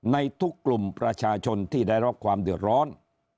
ในทุกกลุ่มประชาชนที่ได้รับความเดือดร้อน